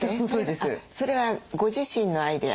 それはご自身のアイデア？